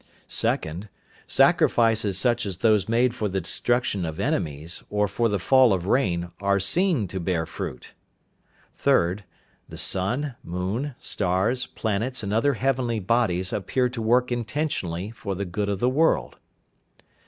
2nd. Sacrifices such as those made for the destruction of enemies, or for the fall of rain, are seen to bear fruit. 3rd. The sun, moon, stars, planets and other heavenly bodies appear to work intentionally for the good of the world.